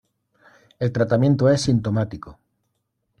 El tratamiento es sintomático.